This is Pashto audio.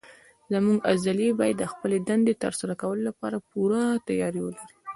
زموږ عضلې باید د خپلې دندې تر سره کولو لپاره پوره تیاری ولري.